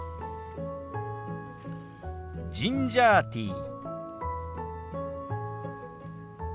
「ジンジャーティー」。